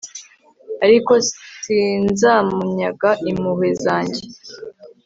ariko sinzamunyaga impuhwe zanjye